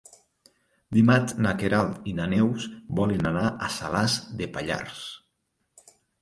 Dimarts na Queralt i na Neus volen anar a Salàs de Pallars.